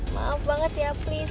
maaf banget ya please